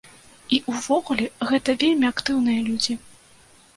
І ўвогуле гэта вельмі актыўныя людзі.